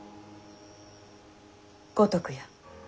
五徳や。